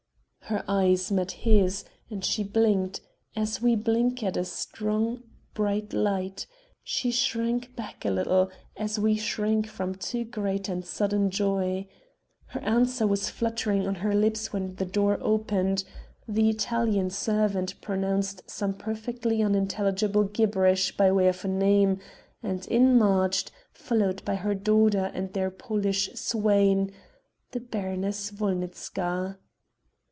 Her eyes met his and she blinked, as we blink at a strong, bright light; she shrank back a little, as we shrink from too great and sudden joy. Her answer was fluttering on her lips when the door opened the Italian servant pronounced some perfectly unintelligible gibberish by way of a name, and in marched followed by her daughter and their Polish swain the Baroness Wolnitzka.